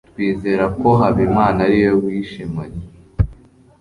Twizera ko Habimana ari we wishe Mariya.